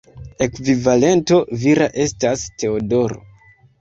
Ekvivalento vira estas Teodoro.